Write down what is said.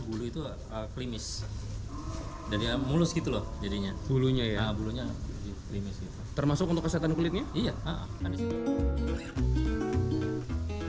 bulu itu kelimis dari mulus gitu loh jadinya bulunya ya bulunya rilis itu termasuk untuk kesehatan kulitnya iya